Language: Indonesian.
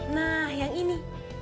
nah yang ini